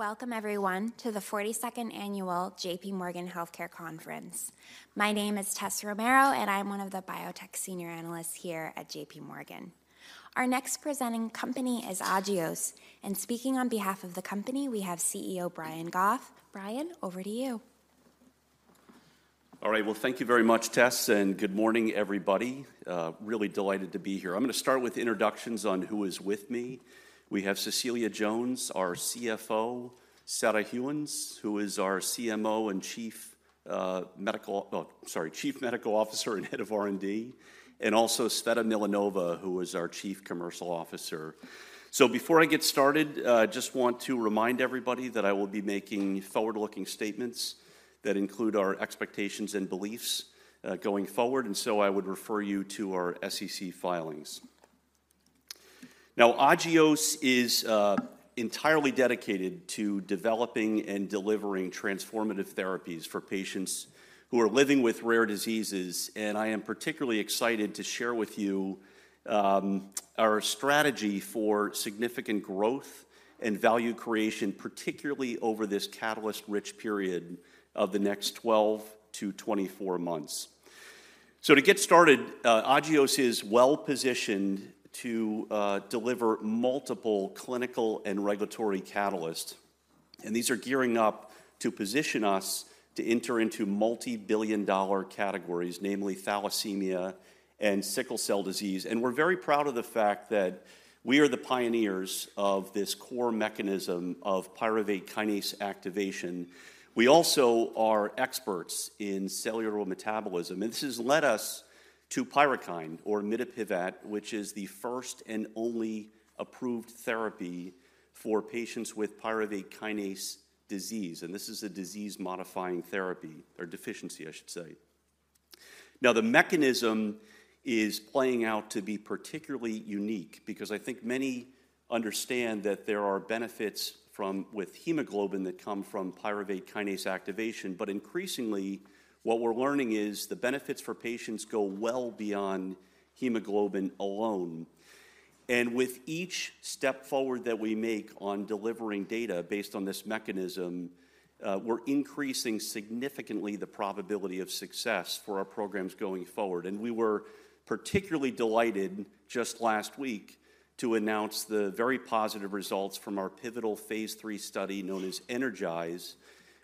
Welcome everyone, to the 42nd annual J.P. Morgan Healthcare Conference. My name is Tess Romero, and I'm one of the biotech senior analysts here at J.P. Morgan. Our next presenting company is Agios, and speaking on behalf of the company, we have CEO Brian Goff. Brian, over to you. All right. Well, thank you very much, Tess, and good morning, everybody. Really delighted to be here. I'm gonna start with introductions on who is with me. We have Cecilia Jones, our CFO, Sarah Gheuens, who is our CMO and Chief Medical Officer and Head of R&D, and also Tsveta Milanova, who is our Chief Commercial Officer. So before I get started, just want to remind everybody that I will be making forward-looking statements that include our expectations and beliefs, going forward, and so I would refer you to our SEC filings. Now, Agios is entirely dedicated to developing and delivering transformative therapies for patients who are living with rare diseases, and I am particularly excited to share with you our strategy for significant growth and value creation, particularly over this catalyst-rich period of the next 12-24 months. So to get started, Agios is well positioned to deliver multiple clinical and regulatory catalysts, and these are gearing up to position us to enter into multi-billion dollar categories, namely thalassemia and sickle cell disease. We're very proud of the fact that we are the pioneers of this core mechanism of pyruvate kinase activation. We also are experts in cellular metabolism, and this has led us to PYRUKYND, or mitapivat, which is the first and only approved therapy for patients with pyruvate kinase disease, and this is a disease-modifying therapy or deficiency, I should say. Now, the mechanism is playing out to be particularly unique because I think many understand that there are benefits with hemoglobin that come from pyruvate kinase activation. But increasingly, what we're learning is the benefits for patients go well beyond hemoglobin alone. And with each step forward that we make on delivering data based on this mechanism, we're increasing significantly the probability of success for our programs going forward. And we were particularly delighted just last week to announce the very positive results from our pivotal Phase III study known as ENERGIZE,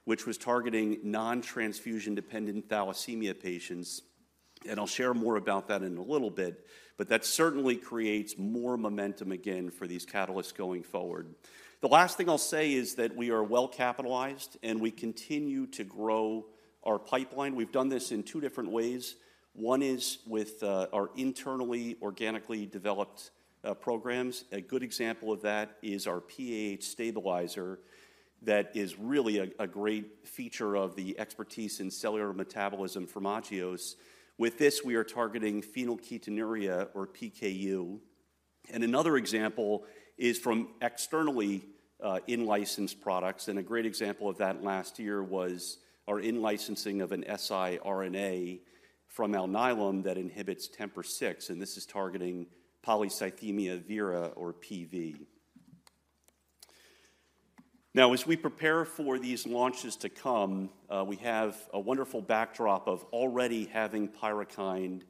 which was targeting non-transfusion dependent thalassemia patients, and I'll share more about that in a little bit. But that certainly creates more momentum again for these catalysts going forward. The last thing I'll say is that we are well-capitalized, and we continue to grow our pipeline. We've done this in two different ways. One is with our internally, organically developed programs. A good example of that is our PAH stabilizer. That is really a great feature of the expertise in cellular metabolism from Agios. With this, we are targeting phenylketonuria or PKU. And another example is from externally in-licensed products, and a great example of that last year was our in-licensing of an siRNA from Alnylam that inhibits TMPRSS6, and this is targeting polycythemia vera or PV. Now, as we prepare for these launches to come, we have a wonderful backdrop of already having PYRUKYND,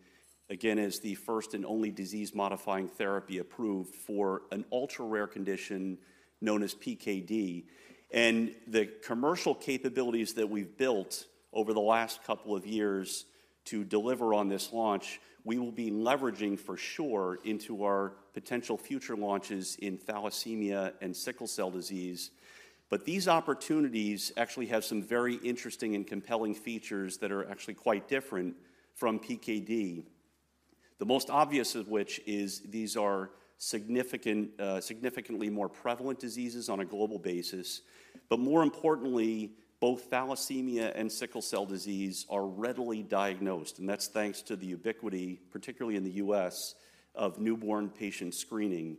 again, as the first and only disease-modifying therapy approved for an ultra-rare condition known as PKD. And the commercial capabilities that we've built over the last couple of years to deliver on this launch, we will be leveraging for sure into our potential future launches in thalassemia and sickle cell disease. But these opportunities actually have some very interesting and compelling features that are actually quite different from PKD. The most obvious of which is these are significant, significantly more prevalent diseases on a global basis. More importantly, both thalassemia and sickle cell disease are readily diagnosed, and that's thanks to the ubiquity, particularly in the U.S., of newborn patient screening.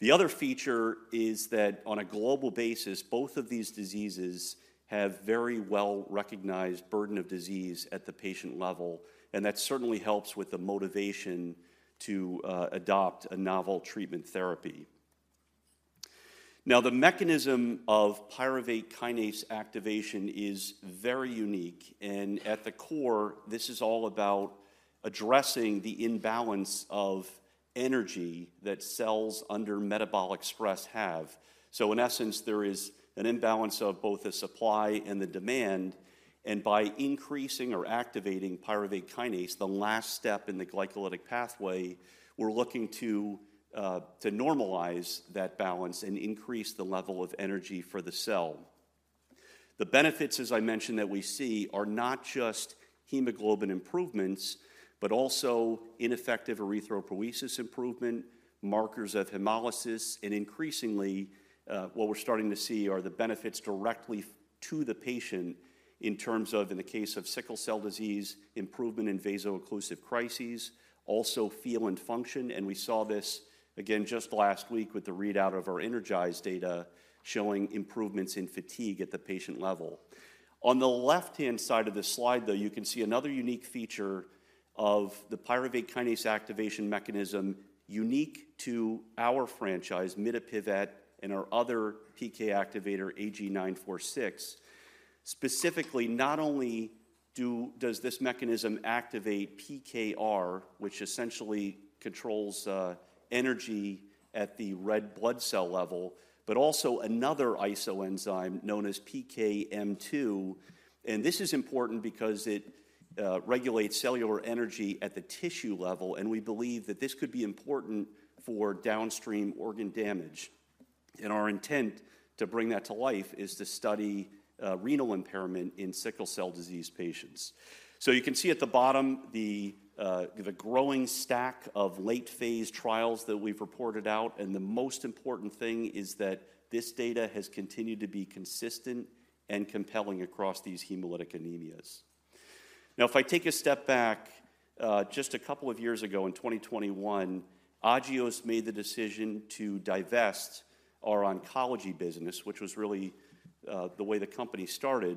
The other feature is that on a global basis, both of these diseases have very well-recognized burden of disease at the patient level, and that certainly helps with the motivation to adopt a novel treatment therapy. Now, the mechanism of pyruvate kinase activation is very unique, and at the core, this is all about addressing the imbalance of energy that cells under metabolic stress have. In essence, there is an imbalance of both the supply and the demand, and by increasing or activating pyruvate kinase, the last step in the glycolytic pathway, we're looking to normalize that balance and increase the level of energy for the cell. The benefits, as I mentioned, that we see are not just hemoglobin improvements, but also ineffective erythropoiesis improvement, markers of hemolysis, and increasingly, what we're starting to see are the benefits directly to the patient in terms of, in the case of sickle cell disease, improvement in vaso-occlusive crises, also feel and function, and we saw this again just last week with the readout of our ENERGIZE data, showing improvements in fatigue at the patient level. On the left-hand side of this slide, though, you can see another unique feature of the pyruvate kinase activation mechanism unique to our franchise, mitapivat, and our other PK activator, AG-946. Specifically, not only-... Does this mechanism activate PKR, which essentially controls energy at the red blood cell level, but also another isoenzyme known as PKM2, and this is important because it regulates cellular energy at the tissue level, and we believe that this could be important for downstream organ damage. Our intent to bring that to life is to study renal impairment in sickle cell disease patients. You can see at the bottom the growing stack of late-phase trials that we've reported out, and the most important thing is that this data has continued to be consistent and compelling across these hemolytic anemias. Now, if I take a step back, just a couple of years ago in 2021, Agios made the decision to divest our oncology business, which was really, the way the company started,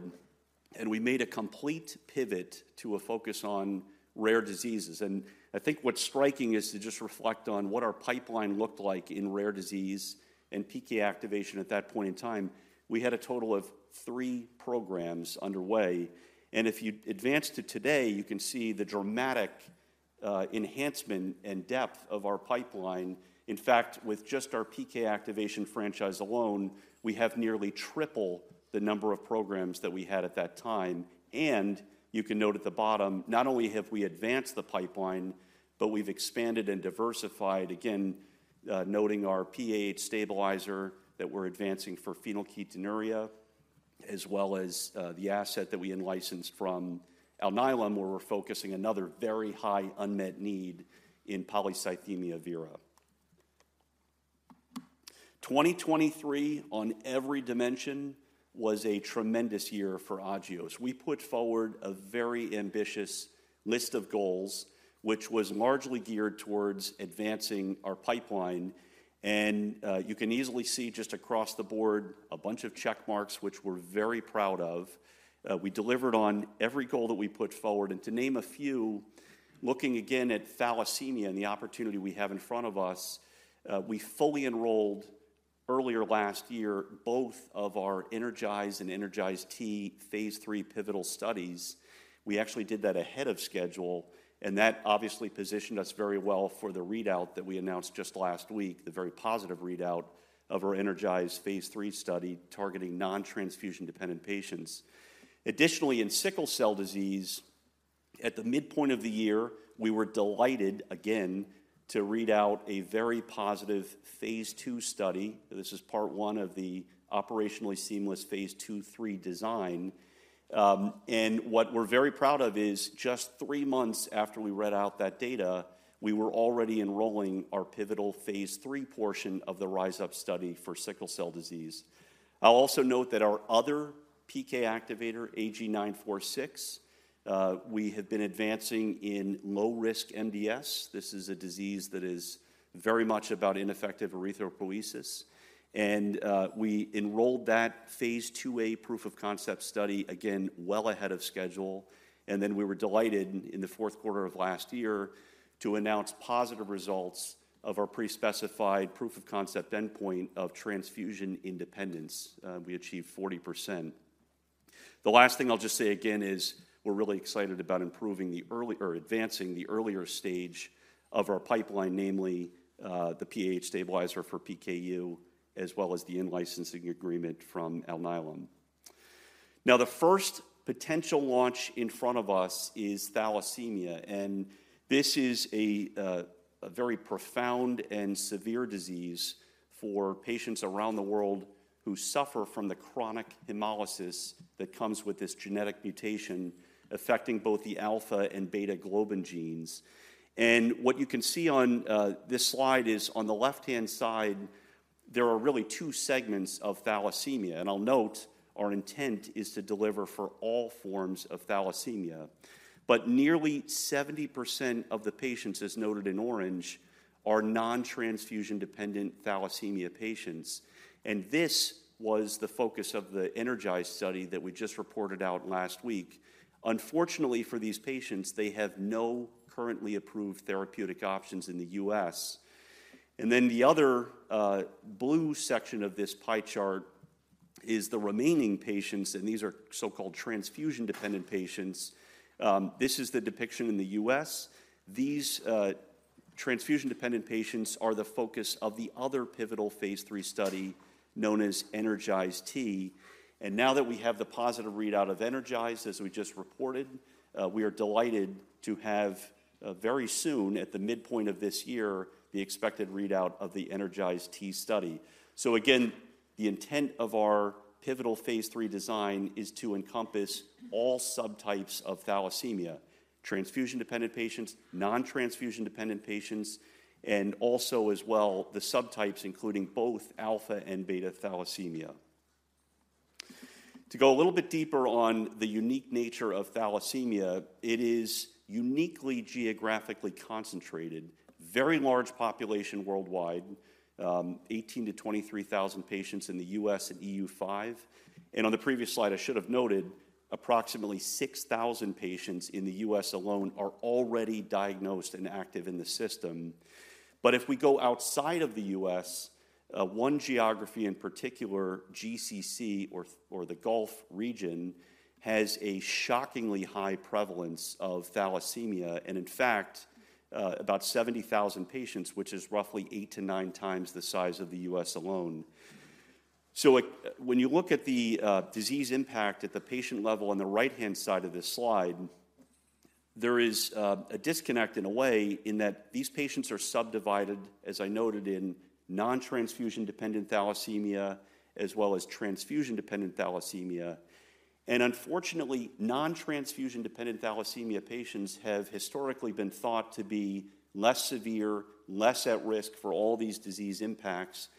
and we made a complete pivot to a focus on rare diseases. And I think what's striking is to just reflect on what our pipeline looked like in rare disease and PK activation at that point in time. We had a total of three programs underway, and if you advance to today, you can see the dramatic, enhancement and depth of our pipeline. In fact, with just our PK activation franchise alone, we have nearly triple the number of programs that we had at that time. You can note at the bottom, not only have we advanced the pipeline, but we've expanded and diversified again, noting our PAH stabilizer that we're advancing for phenylketonuria, as well as, the asset that we in-licensed from Alnylam, where we're focusing another very high unmet need in polycythemia vera. 2023, on every dimension, was a tremendous year for Agios. We put forward a very ambitious list of goals, which was largely geared towards advancing our pipeline, and, you can easily see just across the board, a bunch of check marks, which we're very proud of. We delivered on every goal that we put forward, and to name a few, looking again at thalassemia and the opportunity we have in front of us, we fully enrolled earlier last year, both of our ENERGIZE and ENERGIZE-T Phase III pivotal studies. We actually did that ahead of schedule, and that obviously positioned us very well for the readout that we announced just last week, the very positive readout of our ENERGIZE phase 3 study, targeting non-transfusion dependent patients. Additionally, in sickle cell disease, at the midpoint of the year, we were delighted again to read out a very positive phase 2 study. This is part one of the operationally seamless phase 2/3 design. And what we're very proud of is just three months after we read out that data, we were already enrolling our pivotal phase 3 portion of the RISE UP study for sickle cell disease. I'll also note that our other PK activator, AG-946, we have been advancing in low-risk MDS. This is a disease that is very much about ineffective erythropoiesis, and we enrolled that phase IIa proof of concept study, again, well ahead of schedule. And then we were delighted in the Q4 of last year to announce positive results of our pre-specified proof of concept endpoint of transfusion independence. We achieved 40%. The last thing I'll just say again is we're really excited about advancing the earlier stage of our pipeline, namely, the PAH stabilizer for PKU, as well as the in-licensing agreement from Alnylam. Now, the first potential launch in front of us is thalassemia, and this is a very profound and severe disease for patients around the world who suffer from the chronic hemolysis that comes with this genetic mutation, affecting both the alpha and beta globin genes. What you can see on this slide is on the left-hand side, there are really two segments of thalassemia, and I'll note our intent is to deliver for all forms of thalassemia. But nearly 70% of the patients, as noted in orange, are non-transfusion dependent thalassemia patients, and this was the focus of the ENERGIZE study that we just reported out last week. Unfortunately for these patients, they have no currently approved therapeutic options in the U.S. And then the other blue section of this pie chart is the remaining patients, and these are so-called transfusion-dependent patients. This is the depiction in the U.S. These transfusion-dependent patients are the focus of the other pivotal Phase 3 study known as ENERGIZE-T. Now that we have the positive readout of ENERGIZE, as we just reported, we are delighted to have, very soon, at the midpoint of this year, the expected readout of the ENERGIZE-T study. Again, the intent of our pivotal Phase III design is to encompass all subtypes of thalassemia, transfusion-dependent patients, non-transfusion dependent patients, and also as well, the subtypes, including both alpha and beta thalassemia. To go a little bit deeper on the unique nature of thalassemia, it is uniquely geographically concentrated, very large population worldwide, 18-23,000 patients in the U.S. and EU5. On the previous slide, I should have noted approximately 6,000 patients in the U.S. alone are already diagnosed and active in the system. But if we go outside of the U.S., one geography in particular, GCC or the Gulf region, has a shockingly high prevalence of thalassemia, and in fact about 70,000 patients, which is roughly 8-9 times the size of the U.S. alone. So like, when you look at the disease impact at the patient level on the right-hand side of this slide, there is a disconnect in a way, in that these patients are subdivided, as I noted, in non-transfusion dependent thalassemia, as well as transfusion dependent thalassemia. And unfortunately, non-transfusion dependent thalassemia patients have historically been thought to be less severe, less at risk for all these disease impacts.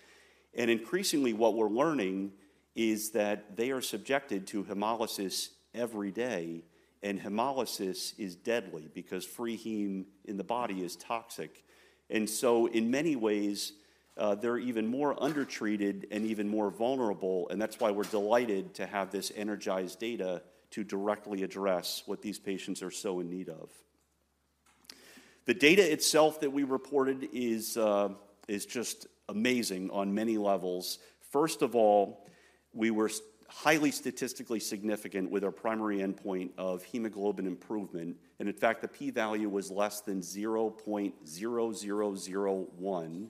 And increasingly, what we're learning is that they are subjected to hemolysis every day, and hemolysis is deadly because free heme in the body is toxic. And so in many ways, they're even more undertreated and even more vulnerable, and that's why we're delighted to have this ENERGIZE data to directly address what these patients are so in need of. The data itself that we reported is just amazing on many levels. First of all, we were highly statistically significant with our primary endpoint of hemoglobin improvement, and in fact, the p-value was less than 0.0001.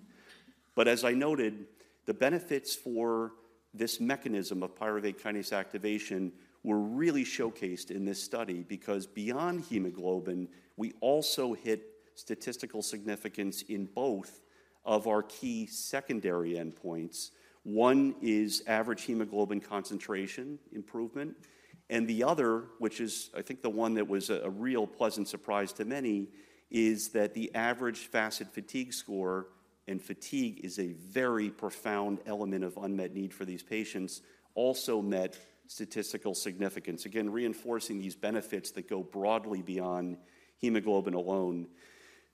But as I noted, the benefits for this mechanism of pyruvate kinase activation were really showcased in this study because beyond hemoglobin, we also hit statistical significance in both of our key secondary endpoints. One is average hemoglobin concentration improvement, and the other, which is I think the one that was a real pleasant surprise to many, is that the average FACIT fatigue score, and fatigue is a very profound element of unmet need for these patients, also met statistical significance. Again, reinforcing these benefits that go broadly beyond hemoglobin alone.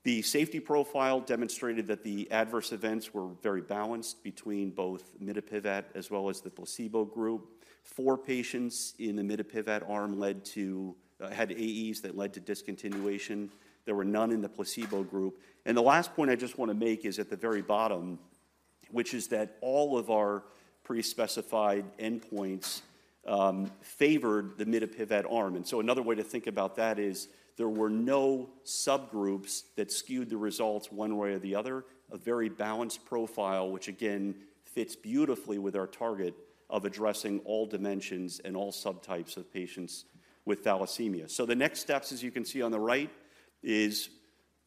The safety profile demonstrated that the adverse events were very balanced between both mitapivat as well as the placebo group. Four patients in the mitapivat arm had AEs that led to discontinuation. There were none in the placebo group. And the last point I just want to make is at the very bottom, which is that all of our pre-specified endpoints favored the mitapivat arm. And so another way to think about that is there were no subgroups that skewed the results one way or the other. A very balanced profile, which again, fits beautifully with our target of addressing all dimensions and all subtypes of patients with thalassemia. So the next steps, as you can see on the right, is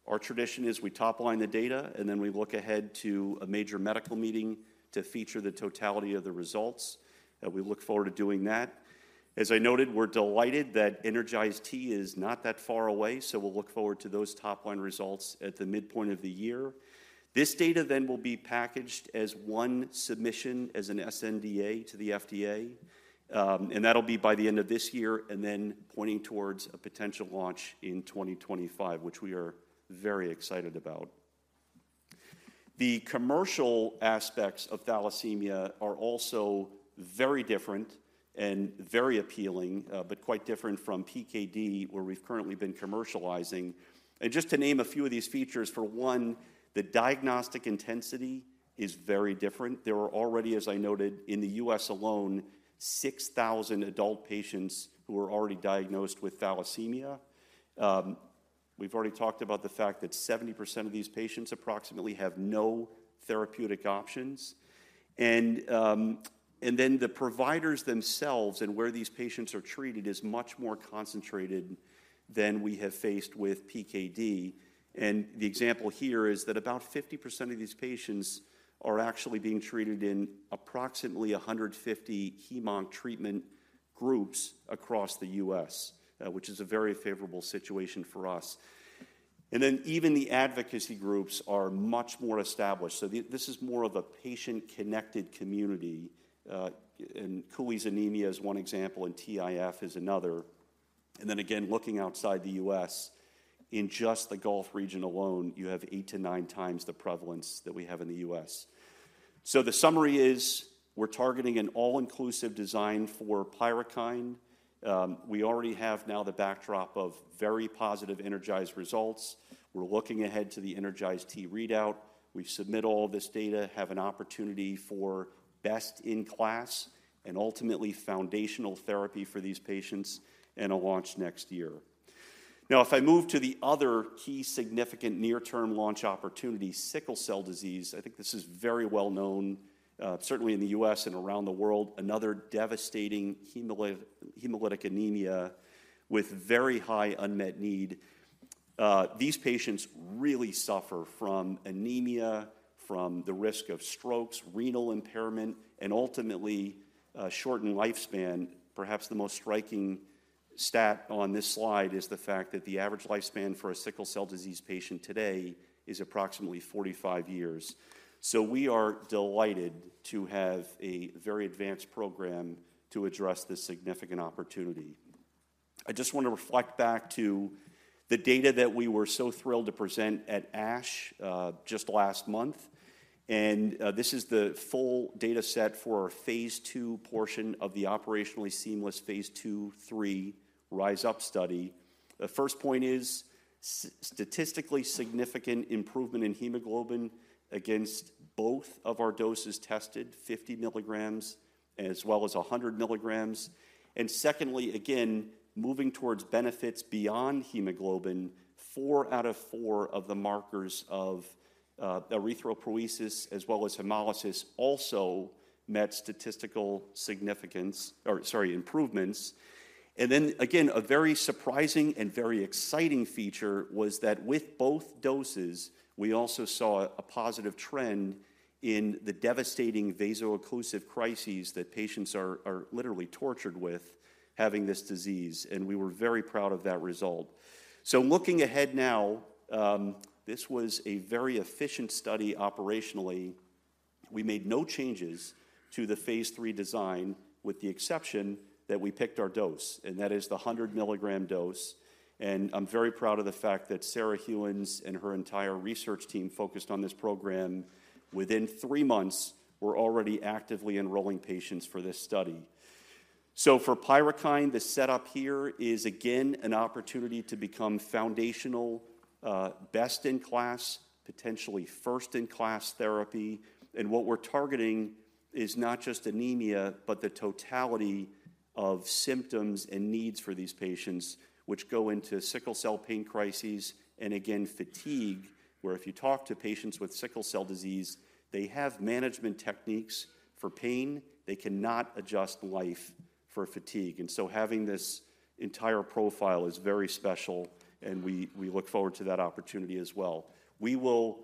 our tradition, is we top line the data, and then we look ahead to a major medical meeting to feature the totality of the results, and we look forward to doing that. As I noted, we're delighted that ENERGIZE-T is not that far away, so we'll look forward to those top-line results at the midpoint of the year. This data then will be packaged as one submission, as an sNDA to the FDA, and that'll be by the end of this year, and then pointing towards a potential launch in 2025, which we are very excited about. The commercial aspects of thalassemia are also very different and very appealing, but quite different from PKD, where we've currently been commercializing. And just to name a few of these features, for one, the diagnostic intensity is very different. There are already, as I noted, in the U.S. alone, 6,000 adult patients who are already diagnosed with thalassemia. We've already talked about the fact that 70% of these patients approximately, have no therapeutic options. And, and then the providers themselves, and where these patients are treated is much more concentrated than we have faced with PKD. And the example here is that about 50% of these patients are actually being treated in approximately 150 hem/onc treatment groups across the U.S., which is a very favorable situation for us. And then even the advocacy groups are much more established. This is more of a patient-connected community, and Cooley's anemia is one example, and TIF is another. And then again, looking outside the U.S., in just the Gulf region alone, you have 8-9 times the prevalence that we have in the U.S. So the summary is, we're targeting an all-inclusive design for PYRUKYND. We already have now the backdrop of very positive, energized results. We're looking ahead to the ENERGIZE-T readout. We submit all this data, have an opportunity for best in class, and ultimately foundational therapy for these patients, and a launch next year. Now, if I move to the other key significant near-term launch opportunity, sickle cell disease, I think this is very well known, certainly in the U.S. and around the world, another devastating hemolytic anemia with very high unmet need. These patients really suffer from anemia, from the risk of strokes, renal impairment, and ultimately, a shortened lifespan. Perhaps the most striking stat on this slide is the fact that the average lifespan for a sickle cell disease patient today is approximately 45 years. So we are delighted to have a very advanced program to address this significant opportunity. I just want to reflect back to the data that we were so thrilled to present at ASH just last month. This is the full data set for our phase 2 portion of the operationally seamless phase 2/3 RISE UP study. The first point is statistically significant improvement in hemoglobin against both of our doses tested, 50 milligrams as well as 100 milligrams. And secondly, again, moving towards benefits beyond hemoglobin... Four out of four of the markers of erythropoiesis as well as hemolysis also met statistical significance, or sorry, improvements. Then again, a very surprising and very exciting feature was that with both doses, we also saw a positive trend in the devastating vaso-occlusive crises that patients are literally tortured with having this disease, and we were very proud of that result. Looking ahead now, this was a very efficient study operationally. We made no changes to the phase 3 design, with the exception that we picked our dose, and that is the 100-milligram dose. I'm very proud of the fact that Sarah Gheuens and her entire research team focused on this program. Within three months, we're already actively enrolling patients for this study. For Pyrukynd, the setup here is, again, an opportunity to become foundational, best-in-class, potentially first-in-class therapy. What we're targeting is not just anemia, but the totality of symptoms and needs for these patients, which go into sickle cell pain crises, and again, fatigue, where if you talk to patients with sickle cell disease, they have management techniques for pain. They cannot adjust life for fatigue. And so having this entire profile is very special, and we, we look forward to that opportunity as well. We will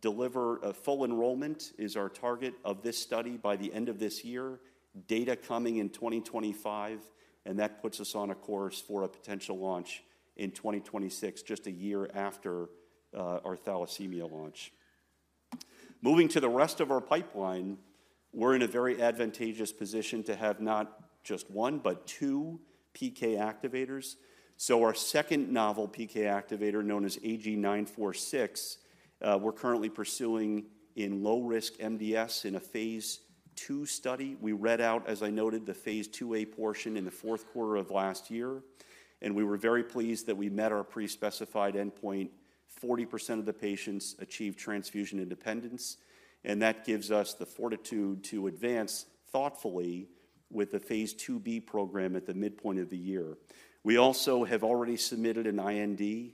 deliver a full enrollment is our target of this study by the end of this year, data coming in 2025, and that puts us on a course for a potential launch in 2026, just a year after our thalassemia launch. Moving to the rest of our pipeline, we're in a very advantageous position to have not just one, but two PK activators. So our second novel, PK activator, known as AG-946, we're currently pursuing in lower-risk MDS in a phase II study. We read out, as I noted, the phase IIa portion in the Q4 of last year, and we were very pleased that we met our pre-specified endpoint. 40% of the patients achieved transfusion independence, and that gives us the fortitude to advance thoughtfully with the phase IIb program at the midpoint of the year. We also have already submitted an IND,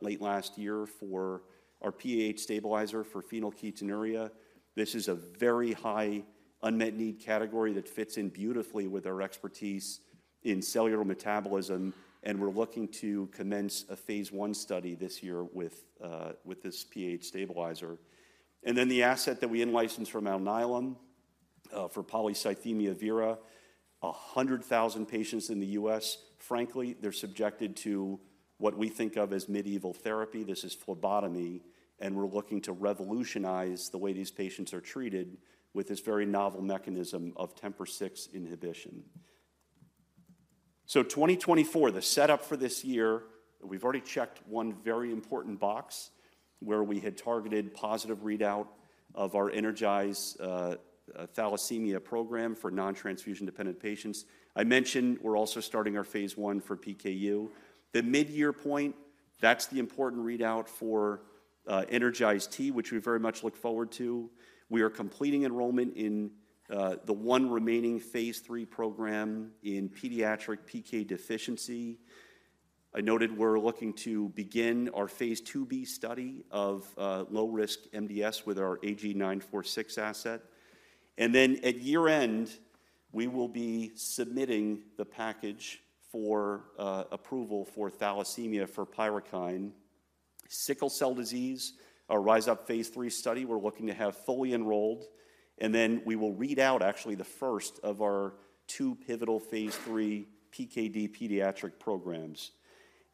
late last year for our PAH stabilizer for phenylketonuria. This is a very high unmet need category that fits in beautifully with our expertise in cellular metabolism, and we're looking to commence a phase I study this year with, with this PAH stabilizer. Then the asset that we in-licensed from Alnylam for polycythemia vera, 100,000 patients in the U.S. Frankly, they're subjected to what we think of as medieval therapy. This is phlebotomy, and we're looking to revolutionize the way these patients are treated with this very novel mechanism of TMPRSS6 inhibition. So 2024, the setup for this year, we've already checked one very important box where we had targeted positive readout of our ENERGIZE thalassemia program for non-transfusion dependent patients. I mentioned we're also starting our phase I for PKU. The mid-year point, that's the important readout for ENERGIZE-T, which we very much look forward to. We are completing enrollment in the one remaining phase III program in pediatric PK deficiency. I noted we're looking to begin our phase IIb study of low-risk MDS with our AG-946 asset. Then at year-end, we will be submitting the package for approval for thalassemia for Pyrukynd, sickle cell disease, our RISE UP phase 3 study we're looking to have fully enrolled, and then we will read out actually the first of our two pivotal phase 3 PKD pediatric programs.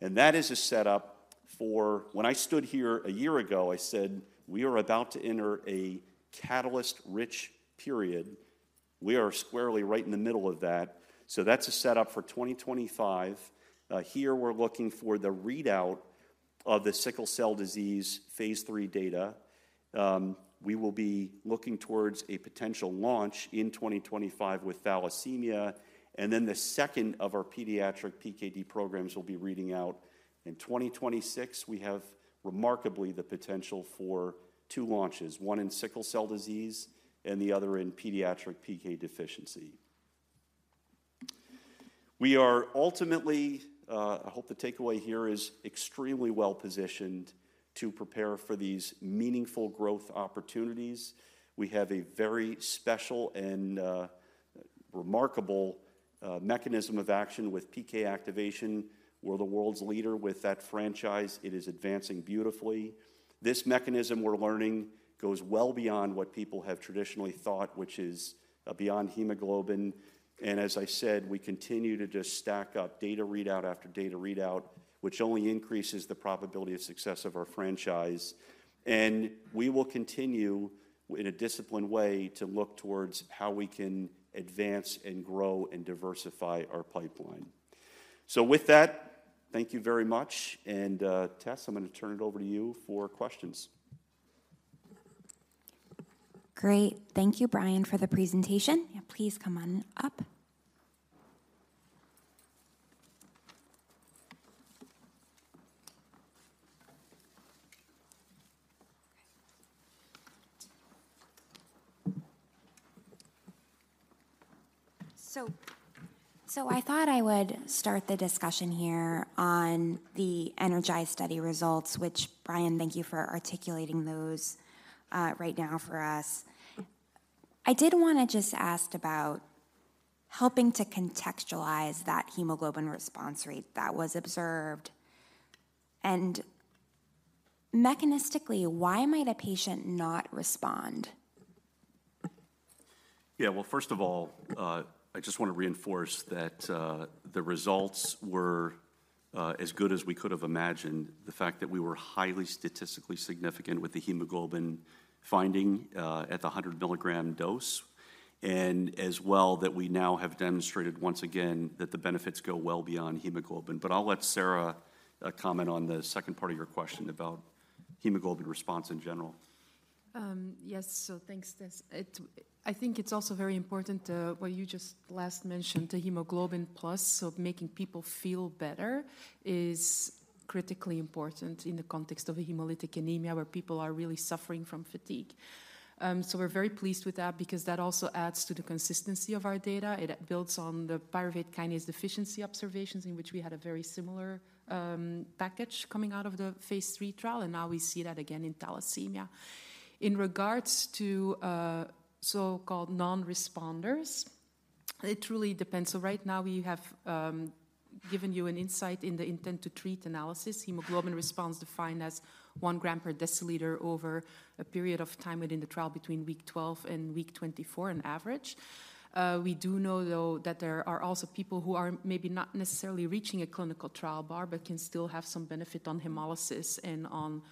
And that is a setup for. When I stood here a year ago, I said, "We are about to enter a catalyst-rich period." We are squarely right in the middle of that. So that's a setup for 2025. Here we're looking for the readout of the sickle cell disease phase 3 data. We will be looking towards a potential launch in 2025 with thalassemia, and then the second of our pediatric PKD programs will be reading out in 2026. We have remarkably the potential for two launches, one in sickle cell disease and the other in pediatric PK deficiency. We are ultimately, I hope the takeaway here is extremely well-positioned to prepare for these meaningful growth opportunities. We have a very special and, remarkable, mechanism of action with PK activation. We're the world's leader with that franchise. It is advancing beautifully. This mechanism we're learning goes well beyond what people have traditionally thought, which is, beyond hemoglobin. And as I said, we continue to just stack up data readout after data readout, which only increases the probability of success of our franchise. And we will continue in a disciplined way to look towards how we can advance and grow and diversify our pipeline. So with that, thank you very much. And, Tess, I'm going to turn it over to you for questions. Great. Thank you, Brian, for the presentation. Yeah, please come on up. So, I thought I would start the discussion here on the ENERGIZE study results, which, Brian, thank you for articulating those right now for us. I did wanna just ask about helping to contextualize that hemoglobin response rate that was observed, and mechanistically, why might a patient not respond? Yeah, well, first of all, I just want to reinforce that the results were as good as we could have imagined. The fact that we were highly statistically significant with the hemoglobin finding at the 100-milligram dose, and as well that we now have demonstrated once again that the benefits go well beyond hemoglobin. But I'll let Sarah comment on the second part of your question about hemoglobin response in general. Yes. So thanks, Tess. I think it's also very important what you just last mentioned, the hemoglobin plus, so making people feel better is critically important in the context of a hemolytic anemia, where people are really suffering from fatigue. So we're very pleased with that because that also adds to the consistency of our data. It builds on the pyruvate kinase deficiency observations, in which we had a very similar package coming out of the Phase III trial, and now we see that again in thalassemia. In regards to so-called non-responders, it truly depends. So right now, we have given you an insight in the intent to treat analysis, hemoglobin response defined as 1 gram per deciliter over a period of time within the trial between week 12 and week 24 on average. We do know, though, that there are also people who are maybe not necessarily reaching a clinical trial bar, but can still have some benefit on hemolysis and on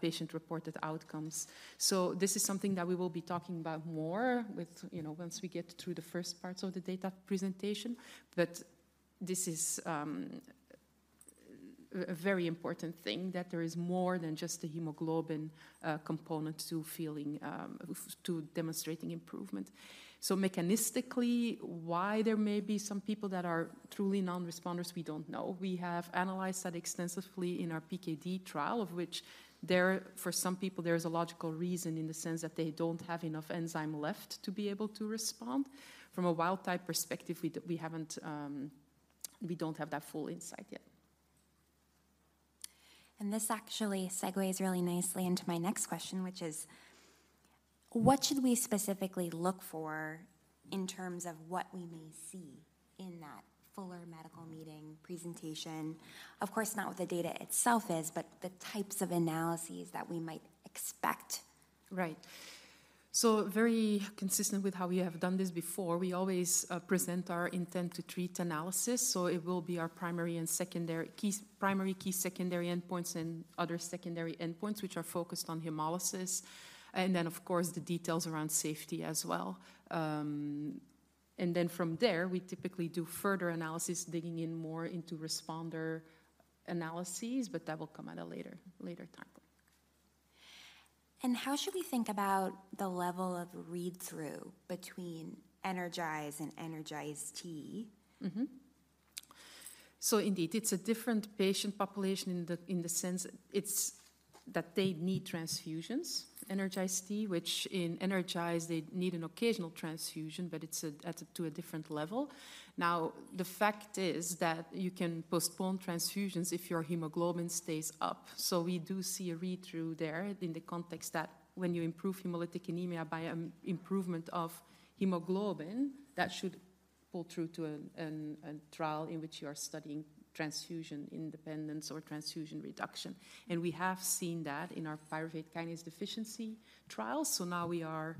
patient-reported outcomes. So this is something that we will be talking about more with, you know, once we get through the first parts of the data presentation, but this is a very important thing, that there is more than just the hemoglobin component to feeling to demonstrating improvement. So mechanistically, why there may be some people that are truly non-responders, we don't know. We have analyzed that extensively in our PKD trial, of which for some people, there is a logical reason in the sense that they don't have enough enzyme left to be able to respond. From a wild type perspective, we haven't, we don't have that full insight yet. This actually segues really nicely into my next question, which is: What should we specifically look for in terms of what we may see in that fuller medical meeting presentation? Of course, not what the data itself is, but the types of analyses that we might expect. Right. So very consistent with how we have done this before, we always present our intent to treat analysis, so it will be our primary and secondary key, primary key, secondary endpoints, and other secondary endpoints, which are focused on hemolysis, and then, of course, the details around safety as well. And then from there, we typically do further analysis, digging in more into responder analyses, but that will come at a later, later time. How should we think about the level of read-through between ENERGIZE and ENERGIZE-T? Mm-hmm. So indeed, it's a different patient population in the sense it's that they need transfusions, ENERGIZE-T, which in ENERGIZE, they need an occasional transfusion, but it's at a different level. Now, the fact is that you can postpone transfusions if your hemoglobin stays up. So we do see a read-through there in the context that when you improve hemolytic anemia by improvement of hemoglobin, that should pull through to a trial in which you are studying transfusion independence or transfusion reduction. And we have seen that in our pyruvate kinase deficiency trial, so now we are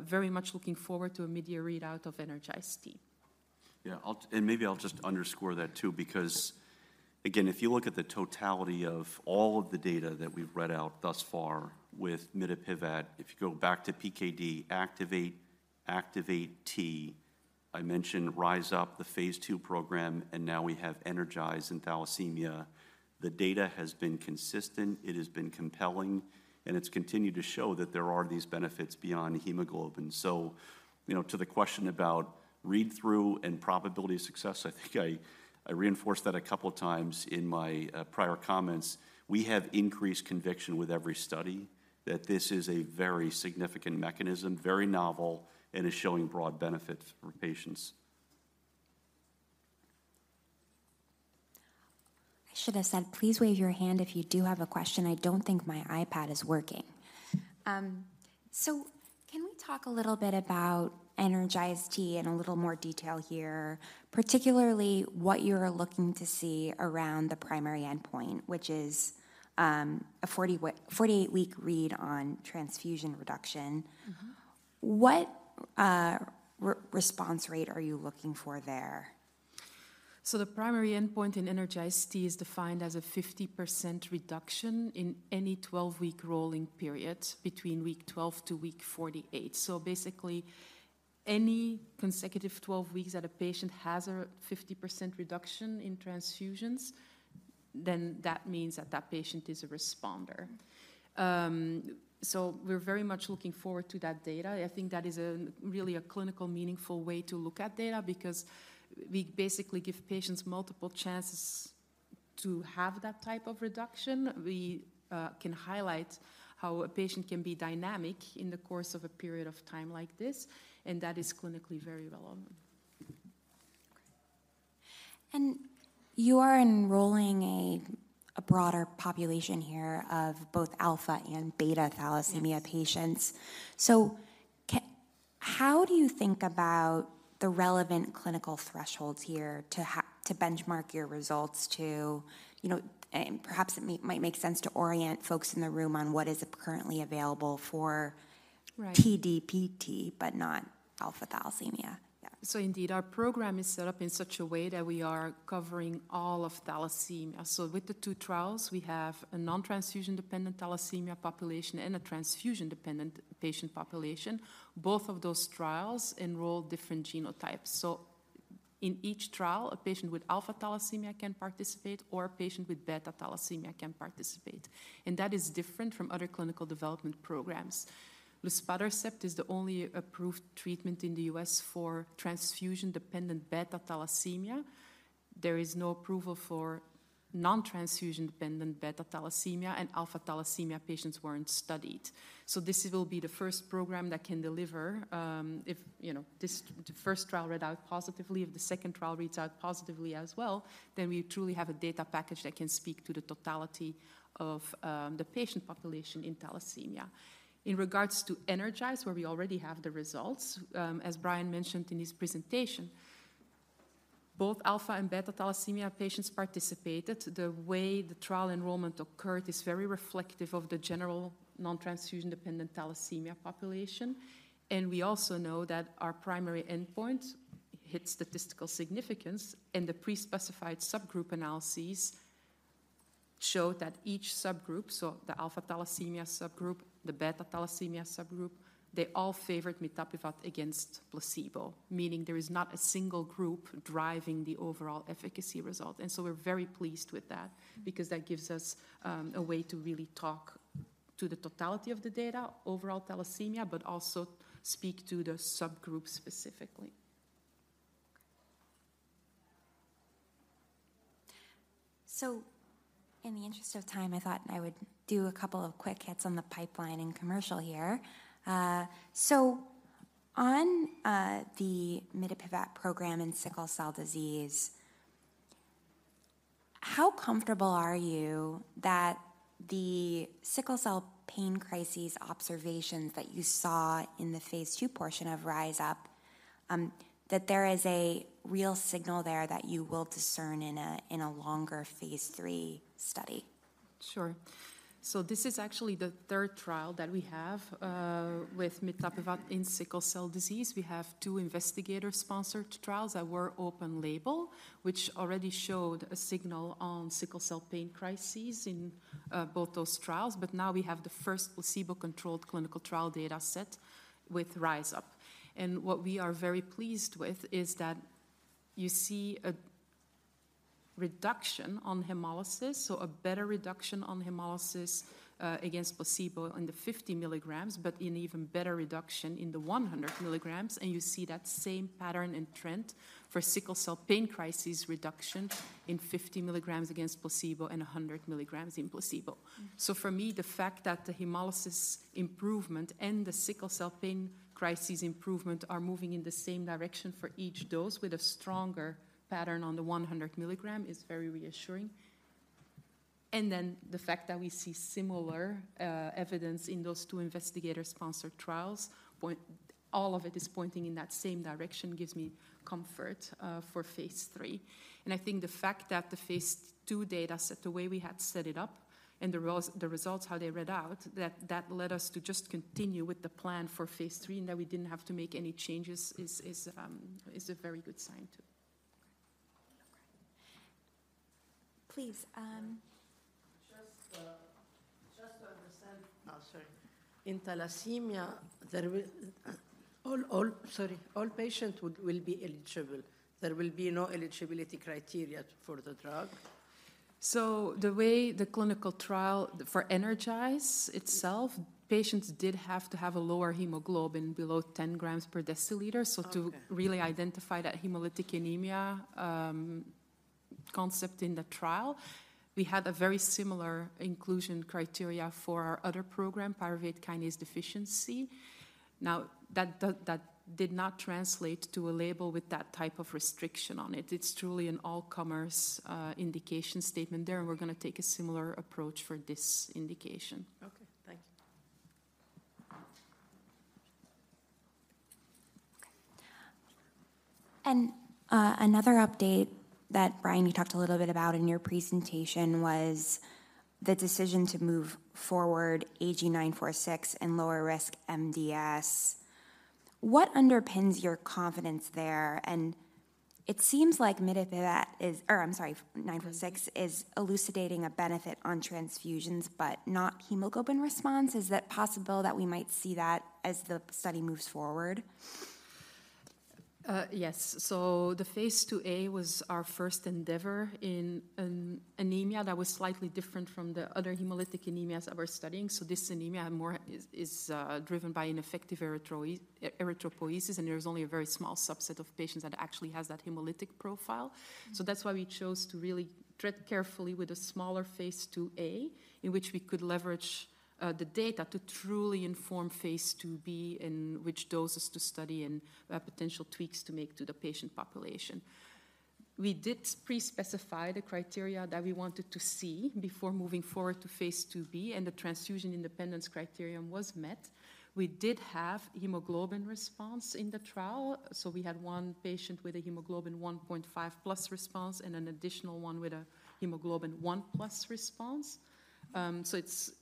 very much looking forward to a mid-year readout of ENERGIZE-T. Yeah, and maybe I'll just underscore that, too, because, again, if you look at the totality of all of the data that we've read out thus far with mitapivat, if you go back to PKD, ACTIVATE, ACTIVATE-T, I mentioned RISE UP, the phase II program, and now we have ENERGIZE and thalassemia. The data has been consistent, it has been compelling, and it's continued to show that there are these benefits beyond hemoglobin. So, you know, to the question about read-through and probability of success, I think I reinforced that a couple times in my prior comments. We have increased conviction with every study that this is a very significant mechanism, very novel, and is showing broad benefit for patients. I should have said, please wave your hand if you do have a question. I don't think my iPad is working. So can we talk a little bit about ENERGIZE-T in a little more detail here, particularly what you're looking to see around the primary endpoint, which is a 48-week read on transfusion reduction? Mm-hmm. What response rate are you looking for there? So the primary endpoint in ENERGIZE-T is defined as a 50% reduction in any 12-week rolling period between week 12 to week 48. So basically, any consecutive 12 weeks that a patient has a 50% reduction in transfusions, then that means that that patient is a responder. So we're very much looking forward to that data. I think that is a really clinically meaningful way to look at data because we basically give patients multiple chances to have that type of reduction; we can highlight how a patient can be dynamic in the course of a period of time like this, and that is clinically very relevant. You are enrolling a broader population here of both alpha and beta thalassemia patients. Yes. So, how do you think about the relevant clinical thresholds here to benchmark your results to, you know—and perhaps it might make sense to orient folks in the room on what is currently available for— Right. TDT, but not alpha thalassemia? Yeah. So indeed, our program is set up in such a way that we are covering all of thalassemia. So with the two trials, we have a non-transfusion-dependent thalassemia population and a transfusion-dependent patient population. Both of those trials enroll different genotypes. So in each trial, a patient with alpha thalassemia can participate, or a patient with beta thalassemia can participate, and that is different from other clinical development programs. luspatercept is the only approved treatment in the U.S. for transfusion-dependent beta thalassemia. There is no approval for non-transfusion-dependent beta thalassemia, and alpha thalassemia patients weren't studied. So this will be the first program that can deliver, if, you know, this, the first trial read out positively, if the second trial reads out positively as well, then we truly have a data package that can speak to the totality of, the patient population in thalassemia. In regards to ENERGIZE, where we already have the results, as Brian mentioned in his presentation, both alpha and beta thalassemia patients participated. The way the trial enrollment occurred is very reflective of the general non-transfusion-dependent thalassemia population. And we also know that our primary endpoint hit statistical significance, and the pre-specified subgroup analyses showed that each subgroup, so the alpha thalassemia subgroup, the beta thalassemia subgroup, they all favored mitapivat against placebo, meaning there is not a single group driving the overall efficacy result. And so we're very pleased with that- Mm. Because that gives us a way to really talk to the totality of the data, overall thalassemia, but also speak to the subgroups specifically. In the interest of time, I thought I would do a couple of quick hits on the pipeline and commercial year. On the mitapivat program in sickle cell disease, how comfortable are you that the sickle cell pain crises observations that you saw in the phase 2 portion of RISE UP, that there is a real signal there that you will discern in a longer phase 3 study? Sure. So this is actually the third trial that we have with mitapivat in sickle cell disease. We have two investigator-sponsored trials that were open label, which already showed a signal on sickle cell pain crises in both those trials. But now we have the first placebo-controlled clinical trial data set with RISE UP. And what we are very pleased with is that you see a reduction on hemolysis, so a better reduction on hemolysis against placebo in the 50 milligrams, but an even better reduction in the 100 milligrams. And you see that same pattern and trend for sickle cell pain crisis reduction in 50 milligrams against placebo and 100 milligrams in placebo. So for me, the fact that the hemolysis improvement and the sickle cell pain crisis improvement are moving in the same direction for each dose with a stronger pattern on the 100 milligram is very reassuring. And then the fact that we see similar evidence in those two investigator-sponsored trials, all of it is pointing in that same direction, gives me comfort for phase 3. And I think the fact that the phase 2 data set, the way we had set it up and the results, how they read out, that led us to just continue with the plan for phase 3, and that we didn't have to make any changes is a very good sign, too. Okay. Please, Just to understand... Oh, sorry. In thalassemia, there will—All patients would, will be eligible. There will be no eligibility criteria for the drug? The way the clinical trial for ENERGIZE itself, patients did have to have a lower hemoglobin below 10 grams per deciliter- Okay. So to really identify that hemolytic anemia concept in the trial. We had a very similar inclusion criteria for our other program, pyruvate kinase deficiency. Now, that, that, that did not translate to a label with that type of restriction on it. It's truly an all-comers indication statement there, and we're gonna take a similar approach for this indication. Okay, thank you. Okay. And, another update that, Brian, you talked a little bit about in your presentation was the decision to move forward AG946 and lower risk MDS. What underpins your confidence there? And it seems like mitapivat is-- or I'm sorry, 946, is elucidating a benefit on transfusions, but not hemoglobin response. Is it possible that we might see that as the study moves forward? ... yes. So the phase 2a was our first endeavor in anemia that was slightly different from the other hemolytic anemias that we're studying. So this anemia more is driven by ineffective erythropoiesis, and there is only a very small subset of patients that actually has that hemolytic profile. So that's why we chose to really tread carefully with a smaller phase 2a, in which we could leverage the data to truly inform phase 2b and which doses to study and potential tweaks to make to the patient population. We did pre-specify the criteria that we wanted to see before moving forward to phase 2b, and the transfusion independence criterion was met. We did have hemoglobin response in the trial, so we had one patient with a hemoglobin 1.5+ response and an additional one with a hemoglobin 1+ response. So it's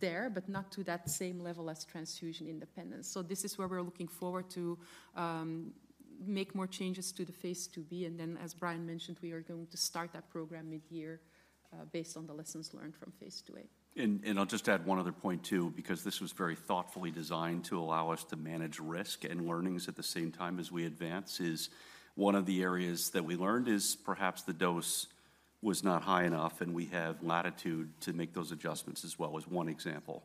there, but not to that same level as transfusion independence. So this is where we're looking forward to make more changes to the phase 2b, and then, as Brian mentioned, we are going to start that program mid-year, based on the lessons learned from phase 2a. And, I'll just add one other point, too, because this was very thoughtfully designed to allow us to manage risk and learnings at the same time as we advance. One of the areas that we learned is perhaps the dose was not high enough, and we have latitude to make those adjustments as well as one example.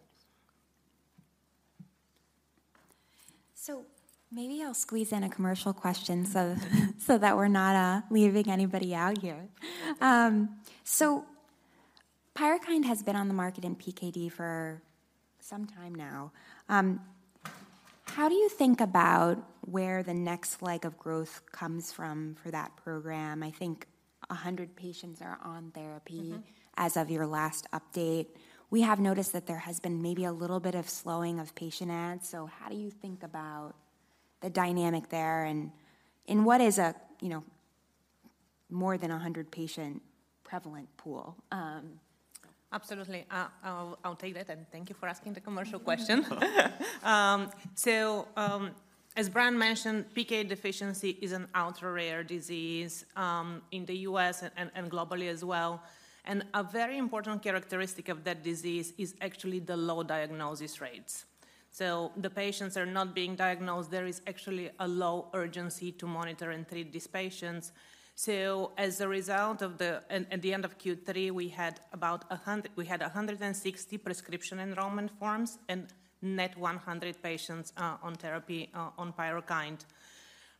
So maybe I'll squeeze in a commercial question, so that we're not leaving anybody out here. So PYRUKYND has been on the market in PKD for some time now. How do you think about where the next leg of growth comes from for that program? I think 100 patients are on therapy- Mm-hmm. as of your last update. We have noticed that there has been maybe a little bit of slowing of patient adds, so how do you think about the dynamic there, and what is a, you know, more than a 100-patient prevalent pool? Absolutely. I'll take that, and thank you for asking the commercial question. So, as Brian mentioned, PKD deficiency is an ultra-rare disease in the U.S. and globally as well. And a very important characteristic of that disease is actually the low diagnosis rates. So the patients are not being diagnosed. There is actually a low urgency to monitor and treat these patients. So as a result of the and at the end of Q3, we had 160 prescription enrollment forms and net 100 patients on therapy on PYRUKYND.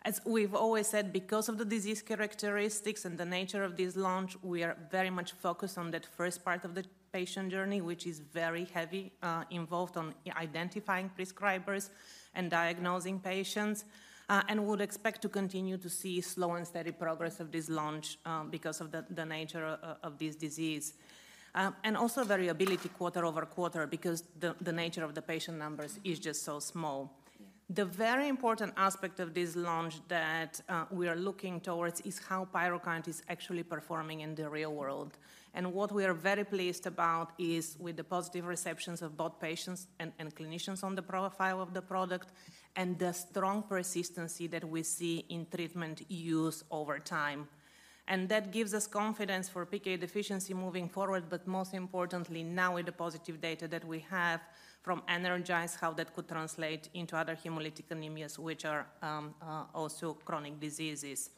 As we've always said, because of the disease characteristics and the nature of this launch, we are very much focused on that first part of the patient journey, which is very heavy, involved on identifying prescribers and diagnosing patients, and would expect to continue to see slow and steady progress of this launch, because of the nature of this disease. And also variability quarter-over-quarter because the nature of the patient numbers is just so small. The very important aspect of this launch that we are looking towards is how PYRUKYND is actually performing in the real world. And what we are very pleased about is with the positive receptions of both patients and clinicians on the profile of the product and the strong persistency that we see in treatment use over time. That gives us confidence for PKD deficiency moving forward, but most importantly, now with the positive data that we have from ENERGIZE, how that could translate into other hemolytic anemias, which are also chronic diseases.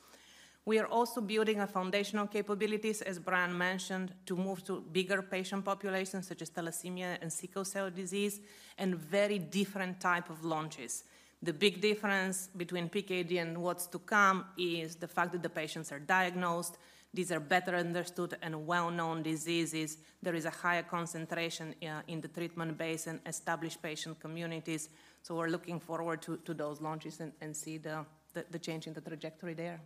We are also building a foundational capabilities, as Brian mentioned, to move to bigger patient populations, such as thalassemia and sickle cell disease, and very different type of launches. The big difference between PKD and what's to come is the fact that the patients are diagnosed. These are better understood and well-known diseases. There is a higher concentration in the treatment base and established patient communities. We're looking forward to those launches and see the change in the trajectory there.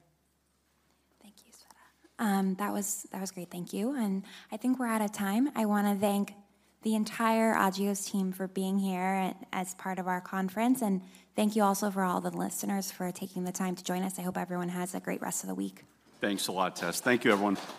Thank you, Sveta. That was, that was great. Thank you, and I think we're out of time. I wanna thank the entire Agios team for being here as part of our conference, and thank you also for all the listeners for taking the time to join us. I hope everyone has a great rest of the week. Thanks a lot, Tess. Thank you, everyone. Thanks.